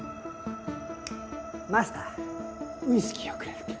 マスターウイスキーをくれるか？